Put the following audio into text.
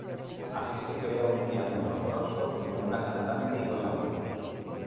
Así se crea un triángulo amoroso entre una cantante y dos amigos.